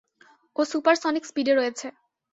ও supersonic স্পিডে রয়েছে।